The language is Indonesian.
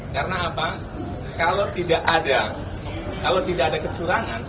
karena apa kalau tidak ada kecurangan